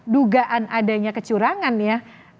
dugaan adanya kecurangan ya